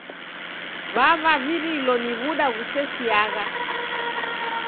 W'avavirilo ni w'uda ghusesiagha.